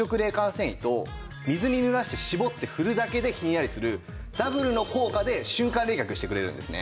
繊維と水に濡らして絞って振るだけでひんやりするダブルの効果で瞬間冷却してくれるんですね。